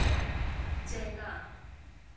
正呀！